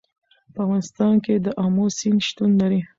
په افغانستان کې د آمو سیند شتون لري.